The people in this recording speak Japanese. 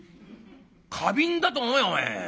花瓶だと思えばお前。